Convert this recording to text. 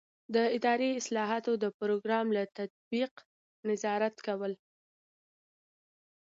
د اداري اصلاحاتو د پروګرام له تطبیق نظارت کول.